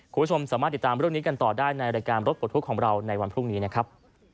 คุณผู้ชมสามารถติดตามเรื่องนี้กันต่อได้ในรายการรถปลดทุกข์ของเราในวันพรุ่งนี้นะครับ